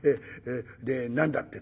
で何だって？」。